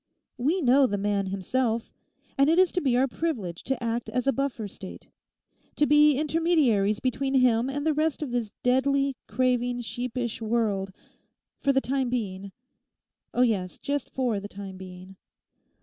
We know the man himself; and it is to be our privilege to act as a buffer state, to be intermediaries between him and the rest of this deadly, craving, sheepish world—for the time being; oh yes, just for the time being.